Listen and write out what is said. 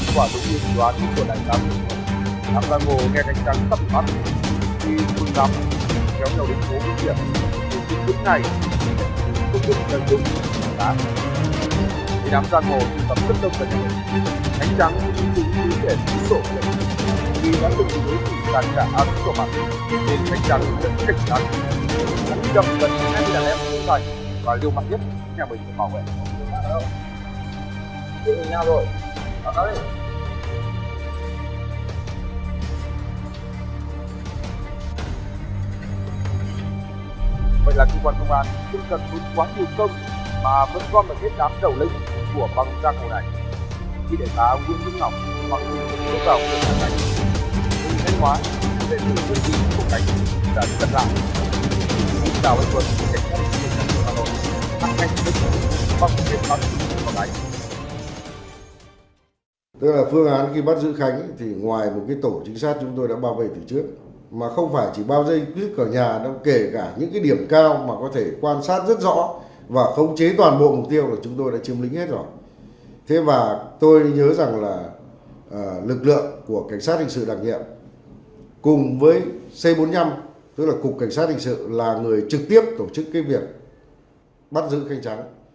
quả thông tin của đại gia hội đảng đoàn bộ nghe cánh trắng tâm mắt đi thương tóc kéo theo đỉnh phố huyện đưa tin tức này đưa tin tức đơn đúng đạt